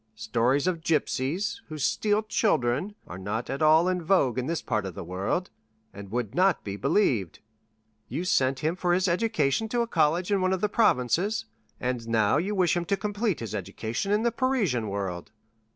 Stories of gypsies, who steal children, are not at all in vogue in this part of the world, and would not be believed. You sent him for his education to a college in one of the provinces, and now you wish him to complete his education in the Parisian world.